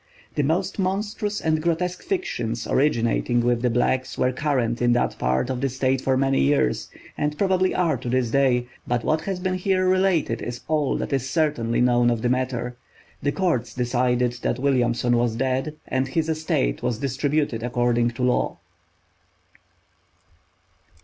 The most monstrous and grotesque fictions, originating with the blacks, were current in that part of the State for many years, and probably are to this day; but what has been here related is all that is certainly known of the matter. The courts decided that Williamson was dead, and his estate was distributed according to law.